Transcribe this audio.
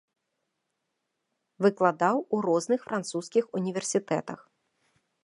Выкладаў у розных французскіх універсітэтах.